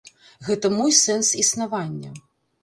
Гэта мой сэнс існавання.